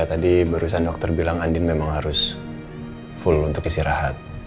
tadi barusan dokter bilang andin memang harus full untuk istirahat